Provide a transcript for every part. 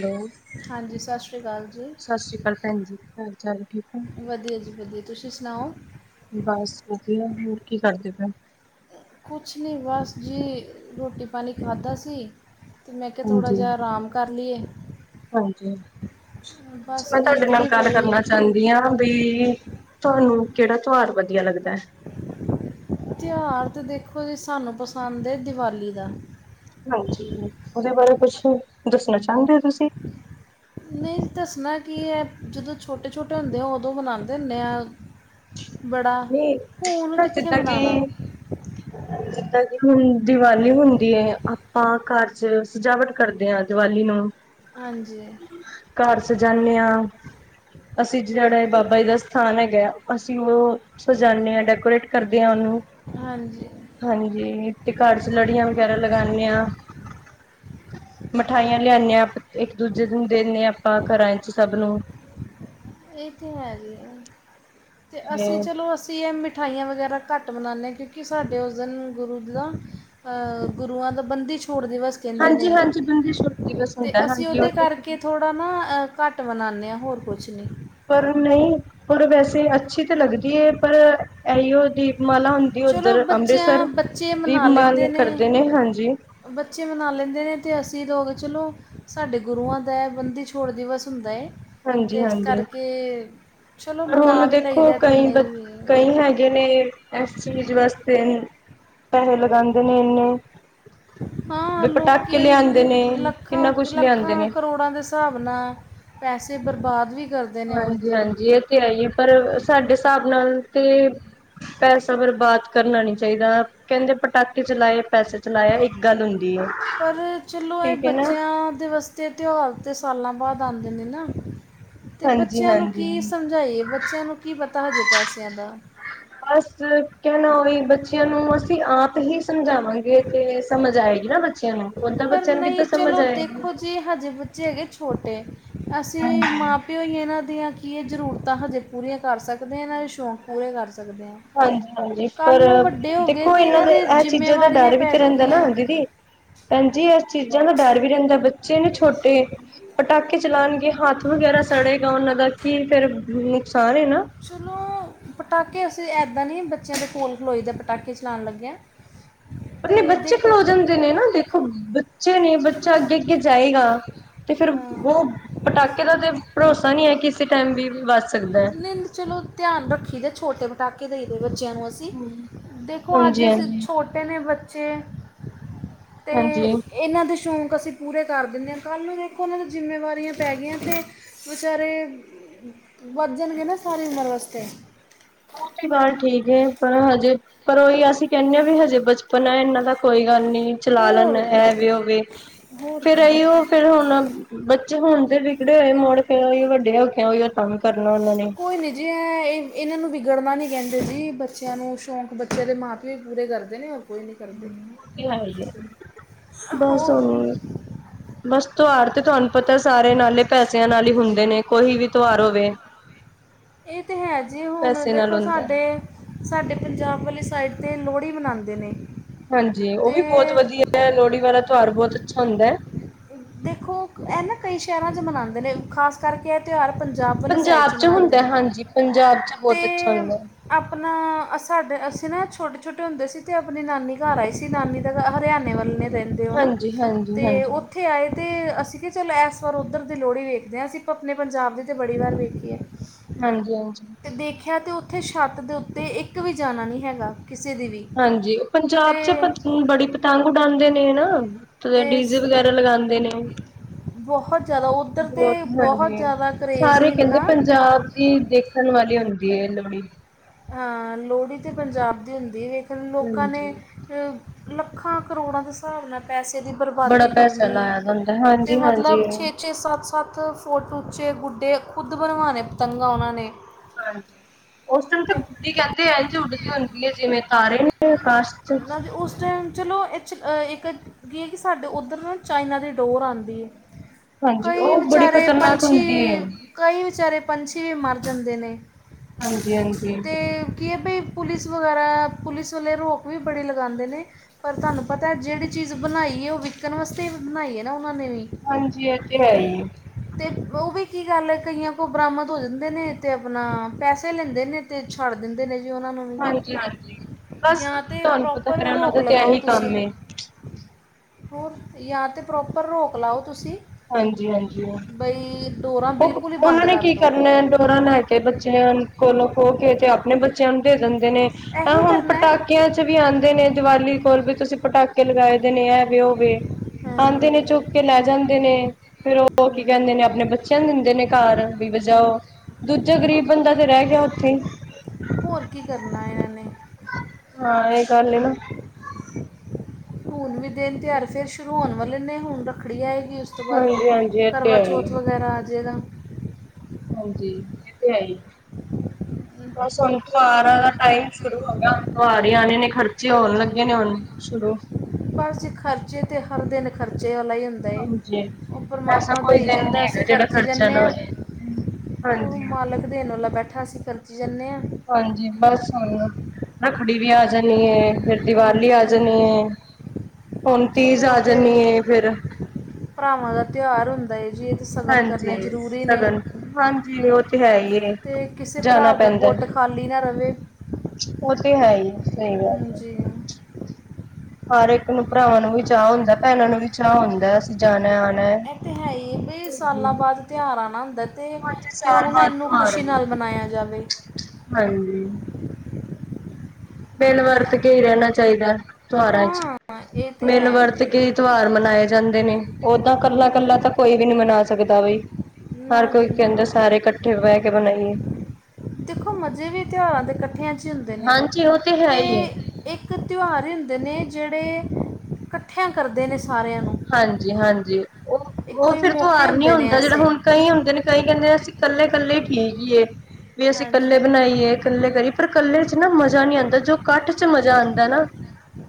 ਲੋ ਹਾਂਜੀ, ਸਤਿ ਸ਼੍ਰੀ ਅਕਾਲ ਜੀ, ਅਕਾਲ ਭੈਣ ਜੀ ਕੀ ਹਾਲ ਚਾਲ ਹੈ? ਠੀਕ ਹੋ ਵਧੀਆ ਜੀ ਵਧੀਆ ਤੁਸੀਂ ਸੁਣਾਓ ਬਸ ਵਧੀਆ, ਹੋਰ ਕੀ ਕਰਦੇ ਪਏ ਔ ਕੁੱਛ ਨਹੀਂ, ਬਸ ਜੀ, ਰੋਟੀ ਪਾਣੀ ਖਾਧਾ ਸੀ ਤੇ ਮੈਂ ਕਿਹਾ ਥੋੜ੍ਹਾ ਹਾਂਜੀ ਜਿਹਾ, ਆਰਾਮ ਕਰ ਲਈ ਏ ਹਾਂਜੀ, ਬਸ ਮੈਂ ਤੁਹਾਡੇ ਨੀਂਦ ਨਾਲ ਨਹੀਂ ਗੱਲ ਕਰਨਾ ਪਈ ਚਾਹੁੰਦੀ। ਯਾਂ ਬਈ, ਤੁਹਾਨੂੰ ਕਿਹੜਾ ਤਿਉਹਾਰ ਵਧੀਆ ਲੱਗਦਾ ਤਿਉਹਾਰ ਤਾਂ ਦੇਖੋ ਜੀ, ਸਾਨੂੰ ਪਸੰਦ ਹੈ ਦੀਵਾਲੀ ਦਾ ਹਾਂਜੀ, ਉਹਦੇ ਬਾਰੇ ਕੁੱਛ ਦੱਸਣਾ ਚਾਹੁੰਦੇ ਹੋ ਤੁਸੀਂ ਨਹੀਂ ਦੱਸਣਾ ਕੀ ਹੈ, ਜਦੋਂ ਛੋਟੇ- ਛੋਟੇ ਹੁੰਦੇ ਆ, ਉਦੋਂ ਮਨਾਉਂਦੇ ਹੁੰਦੇ ਆ। ਬੜਾ, ਨਹੀਂ ਹੁਣ ਕਿੱਥੇ ਜਿੱਦਾਂ ਕਿ ਮਨਾਣਾ [unintelligible] [inaudible] ਜਿੱਦਾਂ ਕਿ, ਹੁਣ ਦੀਵਾਲੀ ਹੁੰਦੀ ਹੈ, ਆਪਾਂ ਘਰ ਚ ਸਜਾਵਟ ਕਰਦੇ ਹਾਂ, ਦੀਵਾਲੀ ਨੂੰ ਹਾਂਜੀ ਘਰ ਸਜਾਨੇ ਹਾਂ, ਅਸੀਂ ਜਿਹੜਾ ਬਿਲਕੁਲ ਬਾਬਾ ਜੀ ਦਾ ਸਥਾਨ ਹੈਗਾ, ਅਸੀਂ ਉਹ ਸਜਾਉਦੇ ਹਾਂ ਡੈਕੋਰੇਟ ਕਰਦੇ ਹਾਂ, ਉਹਨੂੰ ਹਾਂਜੀ। ਹਾਂਜੀ, ਤੇ ਘਰ ਚ ਲੜੀਆਂ ਵਗੈਰਾ, ਲਗਾਣੇ ਆ। ਮਿਠਾਈਆਂ ਲਿਆਂਣੇ ਹਾਂ, ਆਪ ਇੱਕ ਦੂਜੇ ਨੂੰ ਦਿੰਦੇ ਹਾਂ ਆਪਾਂ ਘਰਾਂ, ਚ ਸਭ ਨੂੰ ਇਹ ਤਾਂ ਹੈਗੇ ਹੈ, ਅਤੇ ਤੇ ਅਸੀਂ ਚਲੋ ਅਸੀਂ ਇਹ ਮਿੱਟੀ ਮਿਠਾਈਆਂ ਵਗੈਰਾ ਘੱਟ ਬਣਾਉਂਦੇ ਹਾਂ, ਕਿਉਂਕਿ, ਸਾਡੇ ਉਸ ਦਿਨ ਗੁਰੂ ਦਾ ਅਹ ਗੁਰੂਆਂ ਦਾ ਬੰਦੀ ਛੋੜ ਦਿਵਸ ਕਹਿੰਦੇ, ਨੇ ਹਾਂਜੀ-ਹਾਂਜੀ ਬੰਦਿਸ਼ ਛੋਟ ਦਿਵਸ ਤੇ ਹੁੰਦਾ ਅਸੀਂ ਹਾਂਜੀ ਉਹ ਉਹਦੇ ਤੇ ਠੀਕ ਕਰਕੇ ਥੋੜਾ ਥੋੜ੍ਹਾ ਨਾ, ਘੱਟ ਬਣਾਉਂਦੇ ਹਾਂ ਹੋਰ ਕੁੱਛ ਨਹੀਂ, ਪਰ ਨਹੀਂ, ਪਰ ਵੈਸੇ ਅੱਛੀ ਤਾਂ ਲੱਗਦੀ ਏ ਪਰ ਇਹੀਓ ਦੀਪਮਾਲਾ ਚਲੋ ਉੱਧਰ, ਬੱਚਿਆਂ ਅੰਮ੍ਰਿਤਸਰ ਬੱਚੇ ਮਨਾ ਦੀਪਮਾਲਾ ਲੈਂਦੇ ਕਰਦੇ ਨੇ, ਹਾਂਜੀ। ਬੱਚੇ ਮਨਾ ਲੈਂਦੇ ਨੇ, ਅਤੇ ਅਸੀਂ ਲੋਕ ਚਲੋ ਸਾਡੇ ਗੁਰੂਆਂ ਦਾ, ਬੰਦੀ ਛੋੜ ਦਿਵਸ ਹੁੰਦਾ ਏ, ਤੇ ਇਸ ਹਾਂਜੀ-ਹਾਂਜੀ ਕਰਕੇ, ਚਲੋ ਪਰ ਹੁਣ ਮਨਾ ਵੀ ਲਈਦਾ, ਅਤੇ ਨਹੀਂ ਵੀ ਜਿਹਨੇ ਇਸ ਚੀਜ਼ ਵਾਸਤੇ ਪੈਸੇ, ਲਗਾਉਂਦੇ ਨੇ ਇੰਨੇ ਹਾਂ, ਵੀ ਪਟਾਕੇ ਲੋਕੀ ਲਿਆਂਦੇ ਨੇ ਲੱਖਾਂ ਕਿੰਨਾ ਕੁਛ ਲਿਆਂਦੇ -ਲੱਖਾਂ ਨੇ। ਕਰੋੜਾਂ ਦੇ ਹਿਸਾਬ ਨਾਲ, ਪੈਸੇ ਬਰਬਾਦ ਵੀ, ਕਰਦੇ ਨੇ ਉਸ ਹਾਂਜੀ- ਦਿਨ ਹਾਂਜੀ ਇਹ ਤੇ ਹੈ ਹੀ, ਪਰ ਸਾਡੇ ਹਿਸਾਬ ਨਾਲ ਤੇ ਪੈਸਾ, ਬਰਬਾਦ ਕਰਨਾ ਨੀ ਚਾਹੀਦਾ। ਕਹਿੰਦੇ, ਪਟਾਕੇ ਚਲਾਏ, ਪੈਸੇ ਚਲਾਏ, ਇੱਕ ਗੱਲ ਹੁੰਦੀ ਹੈ। ਪਰ ਚਲੋ, ਇਹ ਠੀਕ ਹੈ ਨਾ ਬੱਚਿਆਂ ਦੇ ਵਸਤੇ ਤਿਉਹਾਰ ਅਤੇ ਸਾਲਾਂ ਬਾਅਦ, ਆਉਂਦੇ ਨੇ ਨਾ- ਤੇ ਬੱਚਿਆਂ ਨੂੰ ਹਾਂਜੀ-ਹਾਂਜੀ। ਕੀ ਸਮਝਾਈਏ, ਬੱਚਿਆਂ ਨੂੰ ਕੀ ਪਤਾ ਹਜੇ ਪੈਸਿਆਂ ਦਾ ਬਸ ਕਹਿਣਾ ਹੋਵੇ, ਬੱਚਿਆਂ ਨੂੰ ਅਸੀਂ ਆਪ ਹੀ ਸਮਝਾਉਂਦੇ ਹਾਂਜੀ ਤੇ ਸਮਝ ਆਏਗੀ ਨਾ, ਬੱਚਿਆਂ ਨੂੰ ਓਦਾਂ ਬੱਚਿਆਂ ਨੂੰ, ਕਿੱਦਾਂ ਸਮਝ ਆਏਗੀ। ਤੇ ਹੱਜੇ ਬੱਚੇ ਹੈਗੇ ਛੋਟੇ, ਅਸੀਂ ਮਾਂ ਪਿਓ ਹੀ ਇਹਨਾਂ ਦੀਆਂ ਕੀ ਇਹ ਜ਼ਰੂਰਤਾਂ ਹਜੇ ਪੂਰੀਆਂ, ਕਰ ਸਕਦੇ ਹਾਂ, ਇਹ ਸ਼ੌਕ ਪੂਰੇ ਕਰ ਸਕਦੇ ਹਾਂ। ਹਾਂਜੀ -ਹਾਂਜੀ ਕੱਲ੍ਹ ਪਰ ਨੂੰ ਵੱਡੇ ਹੋ ਗਏ ਦੇਖੋ ਅਤੇ ਇਹਨਾਂ ਦਾ ਦੇ ਇਹ ਚੀਜ਼ਾਂ ਦਾ ਜ਼ਿੰਮੇਵਾਰੀਆਂ ਡਰ ਵੀ, ਪੈ ਤੇ ਰਹਿੰਦਾ ਜਾਣੀਆਂ ਨਾ ਹੈ। ਦੀਦੀ। ਭੈਣਜੀ, ਇਸ ਚੀਜ਼ਾਂ ਦਾ ਡਰ ਵੀ ਰਹਿੰਦਾ, ਬੱਚੇ ਨੇ ਛੋਟੇ ਪਟਾਕੇ ਚਲਾਉਣ ਕਿ ਹੱਥ ਵਗੈਰਾ ਸੜੇਗਾ ਉਹਨਾਂ ਦਾ, ਕੀ ਫਿਰ ਨੁਕਸਾਨ ਇਹ ਨਾ ਚੱਲੋ ਪਟਾਕੇ, ਅਸੀਂ ਇੱਦਾਂ ਨਹੀਂ ਬੱਚਿਆਂ ਦੇ ਕੋਲ ਖਲੋ ਈ, ਦੇ ਪਟਾਕੇ ਚਲਾਉਣ ਲੱਗੇ ਹਾਂ। ਆਪਣੇ ਅਤੇ ਬੱਚੇ, ਦੇਖ ਖਲੋ ਜਾਂਦੇ ਨੇ ਨਾ ਦੇਖੋ ਅੱਛਾ, ਨੇ ਬੱਚਾ ਅੱਗੇ -ਅੱਗੇ ਜਾਏਗਾ ਤੇ ਫਿਰ ਅਮ, ਉਹ ਪਟਾਕੇ ਦਾ ਤੇ ਭਰੋਸਾ ਨਹੀਂ ਹੈ, ਕਿਸੇ ਟਾਈਮ ਵੀ ਵਜ ਸਕਦਾ ਹੈ ਨਹੀਂ ਚਲੋ, ਧਿਆਨ ਰੱਖੀ ਦੇ, ਛੋਟੇ ਪਟਾਕੇ ਬੱਚਿਆਂ ਨੂੰ ਅਸੀਂ। ਦੇਖੋ ਅੱਜ, ਹਾਂਜੀ-ਹਾਂਜੀ, ਅਸੀਂ ਹਾਂਜੀ। ਛੋਟੇ ਨੇ ਬੱਚੇ ਅਤੇ ਹਾਂਜੀ। ਇਹਨਾਂ ਦੇ ਸ਼ੌਂਕ, ਅਸੀਂ ਪੂਰੇ ਕਰ ਦਿੰਦੇ ਹਾਂ, ਕੱਲ੍ਹ ਨੂੰ ਦੇਖੋ ਉਹਨਾਂ ਦੀ, ਜ਼ਿੰਮੇਵਾਰੀਆਂ ਪੈ ਗਈਆਂ ਅਤੇ ਵਿੱਚਾਰੇ ਵੱਧ ਜਾਣਗੇ ਨਾ, ਸਾਰੀ ਉਮਰ ਵਾਸਤੇ। ਉਹ ਤੇ ਗੱਲ, ਠੀਕ ਹੈ ਪਰ ਹਜੇ ਪਰ ਉਹੀ ਅਸੀ ਕਹਿੰਦੇ ਹਾਂ, ਵੀ ਹਜੇ ਬਚਪਨਾ ਹੈ, ਇਹਨਾਂ ਦਾ ਕੋਈ ਗੱਲ ਨ ਚਲਾ ਲੈਣ, ਹੋਰ ਐਵੀ, ਓਵੀ, ਹੋਰ ਫਿਰ ਕੀ ਅਇਹੋ ਫਿਰ ਹੁਣ ਬੱਚੇ ਹੁਣ ਤੇ ਵਿਗੜੇ ਹੋਏ, ਮੁੜ ਫਿਰ ਉ ਵੱਡੇ ਹੋਕੇ ਹੳਈ ਕੰਮ ਕਰਨਾ, ਉਹਨਾਂ ਨੇ ਕੋਈ ਨਹੀ ਜੀ, ਐ ਇਹਨਾਂ ਨੂੰ ਵਿਗੜਨਾ ਨਹੀ ਕਹਿੰਦੇ ਜੀ, ਬੱਚਿਆਂ ਨੂੰ ਸ਼ੋਕ ਬੱਚਿਆ ਦੇ ਮਾਂ ਪਿਓ ਪੂਰੇ ਕਰਦੇ ਨੇ ਉਹ ਕੋਈ ਨੀ ਕਰਦੇ ਕਿਹਾ ਹੈਈ ਐ। ਹੋਰ ਬਸ ਤਿਉਹਾਰ ਤੇ ਤੁਹਾਨੂੰ ਪਤਾ ਸਾਰੇ ਨਾਲੇ ਪੈਸਿਆਂ ਨਾਲ ਹੀ ਹੁੰਦੇ ਨੇ, ਕੋਈ ਵੀ ਤਿਉਹਾਰ ਹੋਵੇ। ਇਹ ਤੇ ਹੈ ਜੀ, ਹੁਣ ਪੈਸੇ ਨਾਲ ਦੇਖੋ ਹੁੰਦਾ ਸਾਡੇ ਸਾਡੇ ਪੰਜਾਬ ਵਾਲੀ ਸਾਈਡ ਤੇ ਲੋਹੜੀ ਮਨਾਂਦੇ ਨੇ। ਹਾਂਜੀ, ਉਹ ਤੇ ਵੀ ਬਹੁਤ ਵਧੀਆ, ਲੋਹੜੀ ਵਾਲਾ ਤਿਉਹਾਰ ਬਹੁਤ ਅੱਛਾ ਹੁੰਦਾ। ਦੇਖੋ, ਇਹ ਨਾ ਕਈ ਸ਼ਹਿਰਾਂ ਚ ਮਨਾਂਦੇ ਨੇ, ਖਾਸ ਕਰਕੇ ਇਹ ਤਿਉਹਾਰ ਪੰਜਾਬ ਵਾਲੀ ਸਾਈਡ ਚ ਮਨਾਂਦੇ ਹੁੰਦਾ ਨੇ, ਹਾਂਜੀ ਪੰਜਾਬ ਚ ਤੇ ਬਹੁਤ ਅੱਛਾ ਹੁੰਦਾ ਆਪਣਾ ਸਾਡੇ ਅਸੀਂ ਨਾ ਛੋਟੇ-ਛੋਟੇ ਹੁੰਦੇ ਸੀ, ਤੇ ਆਪਣੀ ਨਾਨੀ ਘਰ ਆਏ ਸੀ, ਨਾਨੀ ਦਾ ਘਰ ਹਰਿਆਣੇ ਵੱਲ ਨੇ। ਰਹਿੰਦੇ ਹੋ ਨਾ, ਹਾਂਜੀ ਹਾਂਜੀ ਤੇ ਹਾਂਜੀ ਉਹ ਇੱਥੇ ਆਏ ਤੇ ਅਸੀਂ ਕਿ ਚੱਲ ਇਸ ਵਾਰ ਉੱਧਰ ਦੀ ਲੋਹੜੀ ਵੇਖਦੇ ਹਾਂ ਅਸੀਂ ਆਪਣੇ ਪੰਜਾਬ ਦੀ ਤਾਂ ਬੜੀ ਵਾਰ ਵੇਖੀ ਹੈ। ਹਾਂਜੀ -ਹਾਂਜੀ। ਤੇ ਦੇਖਿਆ ਤੇ ਉੱਥੇ ਛੱਤ ਦੇ ਉੱਤੇ ਇੱਕ ਵੀ ਜਾਣਾ ਨੀ ਹੈਗਾ, ਕਿਸੇ ਦੀ ਵੀ। ਹਾਂਜੀ, ਉਹ ਤੇ ਪੰਜਾਬ ਚ ਬੜੀ ਪਤੰਗ ਉਡਾਂਦੇ ਨੇ ਨਾ, ਤੇ ਡੀਜ਼ੇ ਵਗੈਰਾ ਲਗਾਂਦੇ ਨੇ ਬਹੁ ਜ਼ਿਆਦਾ, ਉੱਧਰ ਤੇ ਬਹੁਤ ਬਹੁ ਹਾਂਜੀ ਜ਼ਿਆਦਾ ਕਰੇਜ਼ ਏ ਏਨਾ ਇਹ ਦੇਖਣ ਵਾਲੀ ਹੁੰਦੀ ਐ ਲੋਹੜੀ। ਅ ਲੋਹੜੀ ਤੇ ਪੰਜਾਬ ਦੀ ਹੁੰਦੀ ਏ, ਲੇਕਿਨ ਲੋਕਾਂ ਹਾਂਜੀ ਨੇ ਲੱਖਾਂ ਕਰੋੜਾਂ ਦੇ ਸ ਹਿਸਾਬ ਨਾਲ ਪੈਸੇ ਦੀ ਬੜਾ ਬਰਬਾਦੀ ਪੈਸਾ ਕਰਨੀ ਏ, ਲਾਇਆ ਦਾ ਹੁੰਦਾ ਤੇ ਹਾਂਜੀ ਹਾਂਜੀ ਮਤਲਬ ਛੇ-ਛੇ, ਸੱਤ-ਸੱਤ ਬਹੁਤ ਉੱਚੇ ਗੁੱਡੇ, ਖੁਦ ਬਣਵਾਣੇ ਪਤੰਗਾਂ ਉਹਨਾਂ ਨੇ। ਹਾਂਜੀ, ਓਸ ਟਾਈਮ ਤੇ ਅਤੇ ਗੁੱਡੀ ਕਹਿੰਦੇ ਐ ਜੇ ਉੱਡਦੀ ਹੁੰਦੀ ਐ, ਜਿਵੇਂ ਤਾਰਿਆਂ ਨੇ ਅਕਾਸ਼ ਹਾਂ, ਨਾ ਉਸ ਟੈਮ ਚਲੋ ਚ ਇੱਕ ਕੀ ਐ, ਸਾਡੇ ਉੱਧਰ ਨਾ ਚਾਈਨਾ ਦੀ ਡੋਰ ਆਂਦੀ ਏ। ਹਾਂਜੀ ਕਈ ਉਹ ਬੜੀ ਵਿਚਾਰੇ ਖ਼ਤਰਨਾਕ ਪੰਛੀ ਹੁੰਦੀ ਹੈ ਕਈ ਵਿਚਾਰੇ ਪੰਛੀ ਵੀ ਮਰ ਜਾਂਦੇ ਨੇ, ਹਾਂਜੀ ਹਾਂਜੀ ਤੇ ਕੀ ਐ ਬਈ ਪੁਲਿਸ ਵਗੈਰਾ, ਪੁਲਿਸ ਵਾਲੇ ਰੋਕ ਉਹ ਵੀ ਬੜੀ ਲਗਾਂਦੇ ਨੇ। ਪਰ ਤੁਹਾਨੂੰ ਪਤਾ ਜਿਹੜੀ ਚੀਜ਼ ਬਣਾਈ ਐ, ਉਹ ਵਿਕਣ ਵਾਸਤੇ ਵੀ ਬਣਾਈ ਐ ਨਾ ਉਹਨਾਂ ਨੇ ਵੀ। ਹਾਂਜੀ, ਇਹ ਤੇ ਹੈ ਈ ਏ। ਤੇ ਉਹ ਵੀ ਕੀ ਗੱਲ ਐ, ਕਈਆਂ ਕੋਲ ਬਰਾਮਦ ਹੋ ਜਾਂਦੇ ਨੇ, ਤੇ ਆਪਣਾ ਪੈਸੇ ਲੈਂਦੇ ਨੇ ਤੇ ਛੱਡ ਦਿੰਦੇ ਨੇ ਜੀ ਉਹਨਾਂ ਨੂੰ ਵੀ, ਹਾਂਜੀ ਹਾਂਜੀ ਬਸ ਜਾਂ ਤਾਂ ਤੁਹਾਨੂੰ ਪਤਾ ਪ੍ਰੋਪਰ ਫਿਰ ਉਹਨਾਂ ਰੋਕ ਦਾ ਤੇ ਲਗਾਓ ਇਹੀ ਕੰਮ ਤੁਸੀਂ। ਏ। ਹੋਰ ਜਾਂ ਤੇ ਪ੍ਰੋਪਰ ਰੋਕ ਲਾਓ ਤੁਸੀਂ ਹਾਂਜੀ-ਹਾਂਜੀ। ਬਈ ਡੋਰਾਂ ਓਹ ਬਿਲਕੁਲ ਹੀ ਓਹਨਾਂ ਬੰਦ ਨੇ ਕਰ ਕੀ ਦਿਓ ਕਰਨਾ ਡੋਰਾਂ ਨਾਲ ਬੱਚਿਆਂ ਕੋਲੋਂ ਖੋਹ ਕੇ ਤੇ ਆਪਣੇ ਬੱਚਿਆਂ ਨੂੰ ਦੇ ਦਿੰਦੇ ਨੇ, ਤਾਂ ਇਹੀ ਹੁਣ ਕਰਨਾ ਪਟਾਕ ਕਿਆਂ ਚ ਵੀ ਆਂਦੇ ਨੇ ਦੀਵਾਲੀ ਕੋਲ, ਵੀ ਤੁਸੀਂ ਪਟਾਕੇ ਲਗਾਏ ਦੇ ਨੇ ਐਵੇ ਹੋਵੇ ਹਾਂ ਆਂਦੇ ਨੇ ਚੁੱਕ ਕੇ ਲੈ ਜਾਂਦੇ ਨੇ, ਫੇਰ ਉਹ ਕੀ ਹਾਂ ਕਹਿੰਦੇ ਨੇ ਆਪਣੇ ਬੱਚ ਬੱਚਿਆਂ ਨੂੰ ਦਿੰਦੇ ਨੇ ਘਰ ਵੀ ਵਜਾਓ, ਦੂਜਾ ਗ਼ਰੀਬ ਬੰਦਾ ਤੇ ਰਹਿ ਗਿਆ ਓਥੀ। ਹੋਰ ਕੀ ਕਰਨਾ ਇਹਨਾਂ ਨੇ। ਹਾਂ, ਇਹ ਗੱਲ ਏ ਨਾ। ਹੁਣ ਵੀ ਦਿਨ ਤਿਆਰ ਫੇਰ ਸ਼ੁਰੂ ਹੋਣ ਵਾਲੇ ਨੇ, ਹੁਣ ਰੱਖੜੀ ਆਏ ਗੀ, ਉਸ ਤੋਂ ਬਾਅਦ ਹਾਂਜੀ ਹਾਂਜੀ ਇਹ ਤੇ ਹੈ ਹੀ। ਕਰਵਾਚੌਥ ਵਗੈਰਾ ਆ ਜੇਗਾ। ਹਾਂਜੀ, ਇਹ ਤੇ ਹੈ ਈ। ਬਸ ਹੁਣ ਤਿਹਾਰਾਂ ਦਾ ਟਾਈਮ ਸ਼ੁਰੂ ਹੋ ਗਿਆ। ਤਿਹਾਰ ਈ ਆਣੇ ਨੇ, ਖਰਚੇ ਹੋਣ ਲੱਗੇ ਨੇ ਹੁਣ ਸ਼ੁਰੂ। ਪਰ ਅਸੀਂ ਖਰਚੇ, ਤੇ ਹਰ ਦਿਨ ਖਰਚੇ ਵਾਲਾ ਹੀ ਹੁੰਦਾ। ਏ ਹਾਂਜੀ ਉਹ ਐਸਾ ਪਰਮਾਤਮਾ ਕੋਈ ਦੇਈ ਦਿਨ ਨੀ ਜਾਂਦਾ, ਅਸੀ ਹੈਗਾ ਜਿਹੜਾ ਖਰਚੀ ਖਰਚਾ ਜਾਂਨੇ ਨਾ ਆਂ। ਹੋਏ ਓਹ ਹਾਂਜੀ ਮਾਲਕ ਦੇਣ ਵਾਲਾ ਬੈਠਾ, ਅਸੀਂ ਖਰਚੀ ਜਾਨੇ ਆਂ। ਹਾਂਜੀ ਬਸ ਹੁਣ ਨਾ ਰੱਖੜੀ ਵੀ ਆ ਜਾਣੀ ਏ ਫਿਰ ਦੀਵਾਲੀ ਆ ਹਾਂਜੀ ਜਾਂਣੀਏ ਹੁਣ ਤੀਜ਼ ਚਲੋ ਇਹ ਆ ਤੇ ਜਾਂਣੀਏ ਫਿਰ ਭਰਾਵਾਂ ਦਾ ਤਿਉਹਾਰ ਹੁੰਦਾ ਏ ਜੀ। ਸ਼ਗਨ ਕਰਨੇ ਹਾਂਜੀ ਜਰੂਰੀ ਨੇ ਸਗਨ ਹਾਂਜੀ ਉਹ ਤੇ ਹੈ ਹੀ ਹੈ ਤੇ ਕਿਸੀ ਜਾਣਾ ਭਰਾ ਦਾ ਪੈਂਦਾ ਗੁੱਟ ਖਾਲੀ ਨਾ ਰਹੇ ਉਹ ਤੇ ਹੈ ਹੀ ਸਹੀ ਗੱਲ ਹੈ ਹਾਂਜੀ ਹਰ ਇੱਕ ਨੂੰ ਭਰਾਵਾਂ ਨੂੰ ਵੀ ਚਾਅ ਹੁੰਦਾ ਭੈਣਾਂ ਨੂੰ ਵੀ ਚਾਅ ਹੁੰਦਾ ਅਸੀਂ ਜਾਣਾ ਆਉਣਾ ਇਹ ਤਾਂ ਹੈ ਹੀ ਬਈ ਸਾਲਾਂ ਬਾਅਦ ਤਿਉਹਾਰ ਆਉ ਨਾ ਹੁੰਦਾ ਤੇ ਕਿਉਂ ਨਾ ਬਾਅਦ ਇਹਨੂੰ ਤਿਉਹਾਰ ਖੁਸ਼ੀ ਆਂਦੇ। ਨਾਲ ਮਨਾਇਆ ਜਾਵੇ ਹਾਂਜੀ। ਮਿਲ ਵਰਤ ਕੇ ਹੀ ਰਹਿਣਾ ਚਾਹੀਦਾ ਤਿਉਹਾਰਾਂ ਚ ਹਾਂ ਇਹ ਤਾਂ ਮਿਲ ਹੈ ਵਰਤ ਜੀ ਕੇ ਤਿਉਹਾਰ ਮਨਾਏ ਜਾਂਦੇ ਨੇ ਓਦਾਂ ਕੱਲਾ ਕੱਲਾ ਤੱਕ ਕੋਈ ਵੀ ਨਹੀ ਮਨਾ ਸਕਦਾ ਬਈ ਨਾ ਜੀ ਕੇ ਨਾ ਕਹਿੰਦੇ ਸਾਰੇ ਇਕੱਠੇ ਬਹਿ ਕੇ ਬਣਾਈਏ ਦੇਖੋ ਮਜ਼ੇ ਵੀ ਤਿਉਹਾਂ ਦੇ ਇਕੱਠਿਆਂ ਹੁੰਦੇ ਨੇ ਹਾਂਜੀ ਉਹ ਤੇ ਹੈ ਅਤੇ ਹੀ ਹੈ ਇੱਕ ਤਿਉਹਾਰ ਹੁੰਦੇ ਨੇ ਜਿਹੜੇ ਇਕੱਠਿਆਂ ਕਰਦੇ ਨੇ ਸਾਰਿਆਂ ਦੇ ਹਾਂਜੀ ਹਾਂਜੀ ਉਹ, ਉਹ ਕੋਈ ਫਿਰ ਮੌਕੇ ਤਿਓਹਾਰ ਨੀ ਹੁੰਦੇ ਨੇ ਹੁੰਦਾ ਜਿਹੜਾ ਐਸੇ ਹੁਣ ਕਈ ਹੁੰ ਕਈ ਕਹਿੰਦੇ ਅਸੀਂ ਇਕੱਲੇ ਇਕੱਲੇ ਹੀ ਠੀਕ ਹੀਏ ਵੀ ਅਸੀਂ ਹਾਂਜੀ ਇਕੱਲੇ ਬਣਾਈਏ ਇਕੱਲੇ ਕਰੀ ਪਰ ਕੱਲੇ ਚ ਨਾ ਮਜ਼ਾ ਨਹੀ ਆਉਂਦਾ ਜੋ ਕੱਠ ਚ ਮਜ਼ਾ ਆਂਦਾ ਨਾ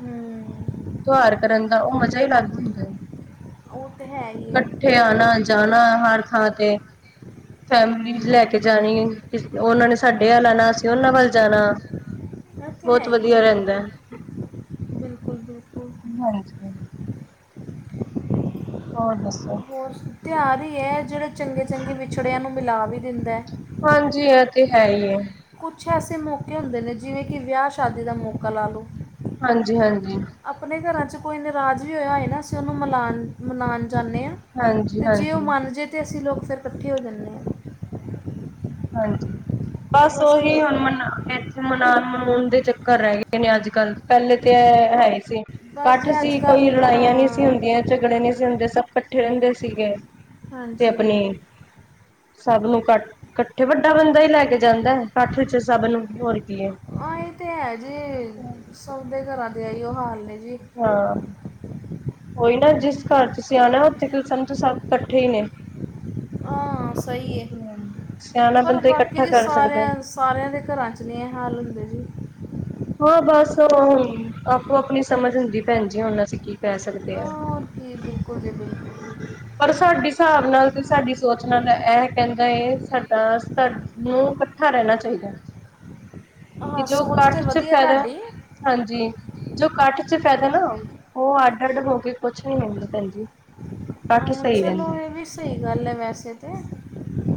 ਹੂੰ ਤਿਉਹਾਰ ਕਰਨ ਦਾ ਉਹ ਮਜ਼ਾ ਈ ਅਲੱਗ ਹੁੰਦਾ ਹੈ। ਉਹ ਤੇ ਹੈ ਈ। ਕੱਠੇ ਆਣਾ ਜਾਣਾ ਹਰ ਥਾਂ ਤੇ ਫੈਮਲੀ ਹੂੰ ਲੈ ਕੇ ਜਾਣੀ ਉਹਨਾਂ ਨੇ ਸਾਡੇ ਵਲ ਆਣਾ ਅਸੀਂ ਉਹਨਾਂ ਵੱਲ ਜਾਣਾ ਅ ਤਾ ਹੈ ਬਹੁਤ ਹੀ ਵਧੀਆ ਜੀ ਰਹਿੰਦਾ ਹੈ। ਬਿਲਕੁਲ ਬਿਲਕੁਲ ਹਾਂਜੀ ਹੋਰ ਦੱਸੋ? ਹੋਰ, ਤਿਉਹਾਰ ਈ ਏ, ਜਿਹੜੇ ਚੰਗੇ ਚੰਗੇ ਵਿਛੜਿਆਂ ਨੂੰ ਮਿਲਾ ਵੀ ਦਿੰਦਾ। ਹਾਂਜੀ ਇਹ ਤੇ ਹੈ ਈਏ। ਕੁਛ ਐਸੇ ਮੌਕੇ ਹੁੰਦੇ ਨੇ ਜਿਵੇਂ ਕਿ ਵਿਆਹ ਸ਼ਾਦੀ ਦਾ ਮੌਕਾ ਲਾ ਲਉ ਹਾਂਜੀ ਹਾਂਜੀ ਆਪਣੇ ਘਰਾਂ 'ਚ ਕੋਈ ਨਰਾਜ਼ ਵੀ ਹੋਇਆ ਹੋਏ, ਨਾ ਅਸੀਂ ਉਹਨੂੰ ਮਿਲਾਉਣ, ਮਨਾਉਣ ਜਾਂਦੇ ਹਾਂ। ਹਾਂਜੀ ਤੇ, ਜੇ ਉਹ ਹਾਂਜੀ ਮੰਨ ਜੇ, ਤੇ, ਅਸੀਂ ਲੋਕ ਫਿਰ ਇਕੱਠੇ ਹੋ ਜਾਂਨੇ ਹਾਂ। ਹਾਂਜੀ ਬਸ ਉਹੀ ਹੁਣ ਮ ਮਨਾਨ ਮਨੂਨ ਦੇ ਚੱਕਰ ਰਹਿ ਗਏ ਨੇ ਅੱਜ ਕੱਲ ਪਹਿਲੇ ਤਾਂ ਹੈ ਹੀ ਸੀ ਬਸ ਕੱਠ ਜੇ ਅੱਜ ਸੀ, ਕੋਈ ਕੱਲ੍ਹ ਲੜਾਈਆਂ ਨੀ ਸੀ, ਹਾਂ ਹੁੰਦੀਆਂ। ਝਗੜੇ ਨਹੀਂ ਸੀ ਹਦੇ ਸਭ ਇਕੱਠੇ ਰਹਿੰਦੇ ਸੀਗੇ ਤੇ ਹਾਂਜੀ ਆਪਣੀ ਸਭ ਨੂੰ ਕੱ, ਇਕੱਠੇ ਵੱਡਾ ਬੰਦਾ ਹੀ ਲੈ ਕੇ ਜਾਂਦਾ, ਕੱਠ ਚ ਸਭ ਨੂੰ। ਹੋਰ। ਕੀ ਹੈ ਅਤੇ ਹੈ ਜੀ ਸਭ ਦੇ ਘਰਾਂ ਦੇ ਆਈ ਉਹ ਹਾਲ ਨੇ ਜੀ ਹਾਂ ਉਹੀ ਨਾ ਜਿਸ ਘਰ ਤੁਸੀਂ ਆਉਣਾ ਉੱਥੇ ਸਮਝ ਸਭ ਇਕੱਠੇ ਹੀ ਨੇ ਹਾਂ ਸਹੀ ਸਿਆਣਾ ਪਰ ਬੰਦਾ ਬਾਕੀ ਇਕੱਠਾ ਜੀ ਕਰ ਸਕਦਾ ਹੈ। ਸਾਰਿਆਂ ਸਾਰਿਆਂ ਦੇ ਘਰਾਂ 'ਚ ਨਹੀਂ ਇਹ ਹੱਲ ਹੁੰਦੇ ਜੀ ਹਾਂ ਬਸ ਆਪੋ ਆਪਣੀ ਸਮਝ ਹੁੰਦੀ ਭੈਣ ਜ ਹੁਣ ਸੀਂ ਕੀ ਪੈ ਸਕਦੇ ਆ ਔਰ ਕੀ ਬਿਲਕੁਲ ਜੀ ਬਿਲਕੁਲ ਪਰ ਸਾਡੇ ਹਿਸਾਬ ਨਾਲ ਤੇ ਸਾਡੀ ਸੋਚ ਨਾਲ ਇਹ ਕਹਿੰਦਾ ਸਾਡਾ ਨੂੰ ਇਕੱਠਾ ਰਹਿਣਾ ਚਾਹੀਦਾ ਕਿ ਹਾਂ ਜੋ ਸੋਚ ਤੇ ਕੱਠ ਚ ਵਧੀਆ ਤੁਹਾਡੀ ਹਾਂਜੀ ਜੋ ਕੱਠ 'ਚ ਫੈਦਾ ਨਾ, ਓ ਅੱਡ-ਅੱਡ ਹੋ ਕੇ ਕੁਛ ਨੀ ਹੁੰਦਾ ਭੈਣ ਜੀ। ਕੱਠ ਹੂੰ ਸਹੀ ਚਲੋ, ਰਹਿੰਦਾ। ਏ ਵੀ ਸਈ ਗੱਲ ਐ ਵੈਸੇ ਤੇ।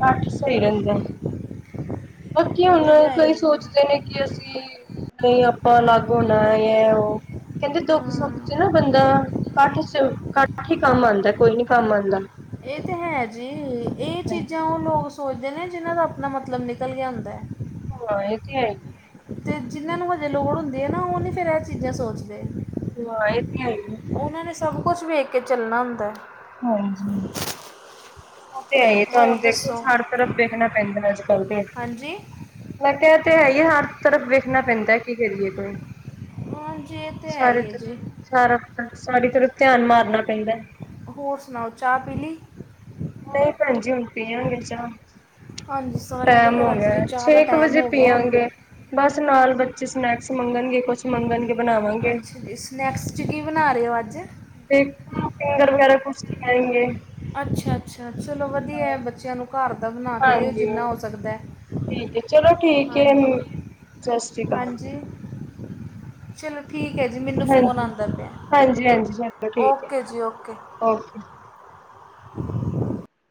ਕੱਠ ਸਈ ਰਹਿੰਦਾ ਐ, ਬਾਕੀ ਉਹ ਤੇ ਹੁਨ ਹੈ ਕਈ ਹੀ ਹੈ ਜੀ ਸੋਚਦੇ ਨੇ ਕਿ ਅਸੀਂ ਨਈ ਆਪਾਂ ਅਲੱਗ ਹੋਨਾ ਐ ਓ। ਕਹਿੰਦੇ ਦੁੱਖ-ਸੁੱਖ 'ਚ ਹਾਂ ਨਾ ਬੰਦਾ ਕੱਠ 'ਚ, ਕੱਠ ਹੀ ਕੰਮ ਆਂਦਾ, ਕੋਈ ਨੀ ਕੰਮ ਆਂਦਾ। ਏ ਤੇ ਹੈ ਜੀ, ਏ ਹਾਂਜੀ। ਚੀਜ਼ਾਂ ਓ ਲੋਕ ਸੋਚਦੇ ਨੇ ਜਿਨ੍ਹਾਂ ਦਾ ਅਪਨਾ ਮਤਲਬ ਨਿਕਲ ਗਯਾ ਹੁੰਦਾ ਐ। [unintelligible] ਏ ਤੇ ਹੈ ਈ ਏ। ਤੇ ਜਿਨਾਂ ਨੂੰ ਹਜੇ ਲੋੜ ਹੁੰਦੀ ਐ ਨਾ ਓ ਨੀ ਫਿਰ ਐ ਚੀਜ਼ਾਂ ਸੋਚਦੇ। ਹਾਂ ਏ ਤੇ ਹੈ ਈ ਏ। ਓਨਾਂ ਨੇ ਸਭ ਕੁਛ ਵੇਖ ਕੇ ਚੱਲਨਾ ਹੁੰਦਾ ਐ। ਹਾਂਜੀ। ਓ ਤੇ ਹੈ ਈ ਏ, ਤੁਹਾਨੂੰ ਹੋਰ ਦੇਖੋ ਦੱਸੋ ਹਰ ਤਰਫ ਦੇੇਖਨਾ ਪੈਂਦਾ ਅੱਜ-ਕੱਲ ਤੇ। ਹਾਂਜੀ ਮੈਂ ਕਿਹਾ ਐ ਤੇ ਹੈ ਈ ਏ, ਹਰ ਤਰਫ ਵੇਖਨਾ ਪੈਂਦਾ, ਕੀ ਕਰੀਏ ਤੋ। ਹਾਂਜੀ ਇਹ ਤੇ ਹੈ ਸਾਰੇ ਹੀ ਹੈ ਤਰਫ਼, ਜੀ ਸਾਰਾ, ਸਾਰੀ ਤਰਫ਼ ਧਿਆਨ ਮਾਰਨਾ ਪੈਂਦਾ। ਹੋਰ ਸੁਨਾਓ। ਚਾਅ ਪੀਲੀ? ਨਈ ਭੈਨ ਜੀ ਹੁਨ ਪਿਆਂਗੇ ਚਾਅ। ਹਾਂਜੀ ਸਾਰਿਆਂ ਦੇ ਟੈਮ ਹੋ ਘਰਾਂ 'ਚ ਗਿਆ‌ ਐ, ਜੀ ਚਾਹ ਦਾ ਛੇ ਕੁ ਟਾਈਮ ਵਜੇ ਹੋ ਗਿਆ ਹੈ। ਪੀਆਂਗੇ। ਬਸ ਨਾਲ ਬੱਚੇ ਸਨੈਕਸ ਮੰਗਨਗੇ ਕੁਛ। ਮੰਗਨਗੇ ਬਨਾਵਾਂ ਅੱਛਾ ਜੀ, ਸਨੈਕਸ 'ਚ ਕੀ ਬਨਾ ਰੇ ਓ ਅੱਜ? ਦੇਖੋ ਫਿੰਗਰ ਵਗੈਰਾ ਕੁਛ ਤੇ ਕਹਿਨਗੇ। ਅੱਛਾ। ਅੱਛਾ ਚਲੋ ਵਧੀਆ ਐ, ਬੱਚਿਆਂ ਨੂੰ ਘਰ ਦਾ ਬਨਾ ਕੇ ਦੇਓ ਹਾਂਜੀ ਜਿੰਨਾ ਹੋ ਸਕਦਾ। ਠੀਕ ਹੈ ਚਲੋ ਠੀਕ ਏ, ਹਾਂਜੀ ਸਤਿ ਸ੍ਰੀ ਅਕਾਲ। ਹਾਂਜੀ ਚਲੋ ਠੀਕ ਏ ਜੀ। ਮੈਨੂੰ ਫੋਨ ਹਾਂਜੀ, ਆਉਂਦਾ ਪਿਆ ਹਾਂਜੀ-ਹਾਂਜੀ ਚਲੋ ਠੀਕ ਏ, ਓਕੇ ਜੀ ਓਕੇ ਓਕ [inaudible]